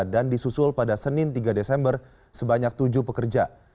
dan disusul pada senin tiga desember sebanyak tujuh pekerja